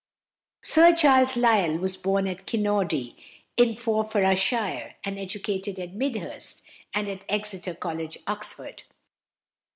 =Sir Charles Lyell (1797 1875)= was born at Kinnordy, in Forfarshire, and educated at Midhurst, and at Exeter College, Oxford.